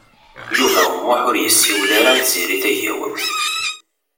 Yuba U Muḥ ur yessiwel ara i Tiziri Tagawawt.